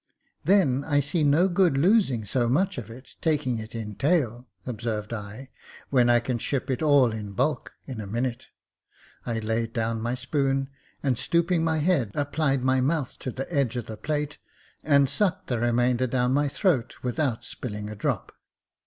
" Then I see no good losing so much of it, taking it in tale," observed I, *' when I can ship it all in bulk in a minute." I laid down my spoon, and stooping my head, apphed my mouth to the edge of the plate, and sucked the remainder down my throat without spilling a drop.